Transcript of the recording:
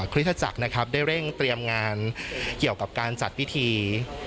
คริสตจักรนะครับได้เร่งเตรียมงานเกี่ยวกับการจัดพิธี